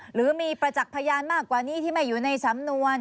หรือมีประจักษ์พยานมากกว่านี้ที่ไม่อยู่ในสำนวน